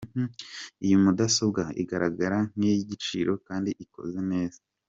Iyi mudasobwa igaragara nk’iy’igiciro kandi ikoze neza.